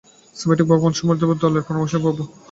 Semitic ভগবান কেবল সমুদ্যতবজ্র রুদ্র, দলের পরাক্রমশালী প্রভু।